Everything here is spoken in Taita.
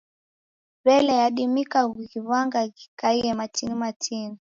W'elee, yadimika kughiw'agha ghikaie matini matini?